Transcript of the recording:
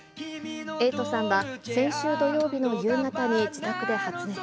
瑛人さんは、先週土曜日の夕方に自宅で発熱。